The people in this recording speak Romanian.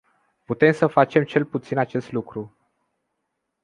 Putem să facem cel puțin acest lucru.